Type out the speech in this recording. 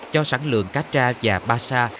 cho sản lượng cá tra và ba sa